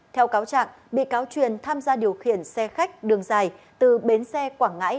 theo cáo trạng bị cáo truyền tham gia điều khiển xe khách đường dài từ bến xe quảng ngãi